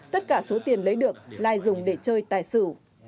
tất cả số tiền lấy được lai dùng để chơi tài xử